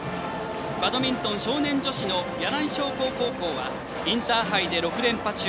バドミントン少年女子の柳井商工高校はインターハイで６連覇中。